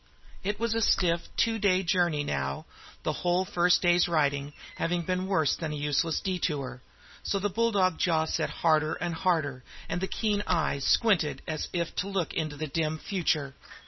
It was a stiff two day journey, now, the whole first day's riding having been a worse than useless detour; so the bulldog jaw set harder and harder, and the keen eyes squinted as if to look into the dim future.